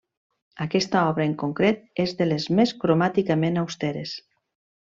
Aquesta obra en concret és de les més cromàticament austeres.